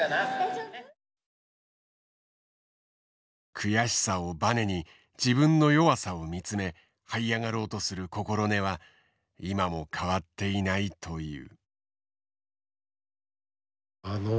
悔しさをばねに自分の弱さを見つめはい上がろうとする心根は今も変わっていないという。